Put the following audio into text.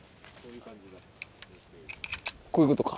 こういうことか。